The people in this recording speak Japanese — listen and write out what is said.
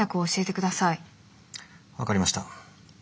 分かりました。